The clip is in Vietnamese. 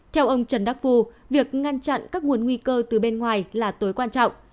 theo ông trần đắc phu việc ngăn chặn các nguồn nguy cơ từ bên ngoài là tối quan trọng